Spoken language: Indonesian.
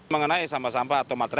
mengenai sampah sampah atau material